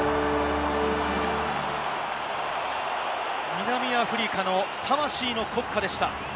南アフリカの魂の国歌でした。